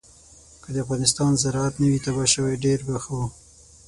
که د افغانستان زراعت نه وی تباه شوی ډېر به ښه وو.